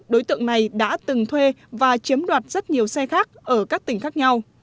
đối tượng này đã từng thuê và chiếm đoạt rất nhiều xe khác ở các tỉnh khác nhau